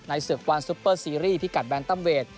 ศึกวันซุปเปอร์ซีรีส์พิกัดแบนตัมเวท